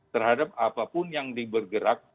terhadap apapun yang dibergerak